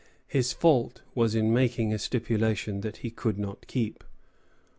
His fault was in making a stipulation that he could not keep.